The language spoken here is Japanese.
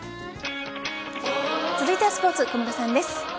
続いてはスポーツ小室さんです。